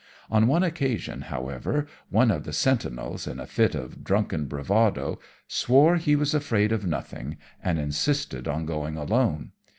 On one occasion, however, one of the sentinels, in a fit of drunken bravado, swore he was afraid of nothing, and insisted on going alone.